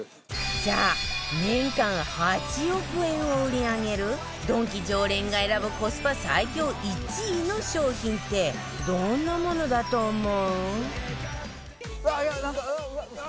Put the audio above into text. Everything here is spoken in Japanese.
さあ年間８億円を売り上げるドンキ常連が選ぶコスパ最強１位の商品ってどんなものだと思う？